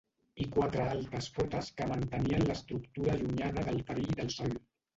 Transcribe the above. I quatre altes potes que mantenien l'estructura allunyada del perill del sòl.